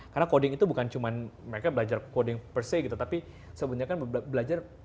karena coding itu bukan cuma mereka belajar coding per se tapi sebetulnya kan belajar proses yang terstruktur